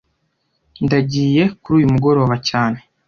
Ndagiye kuri uyu mugoroba cyane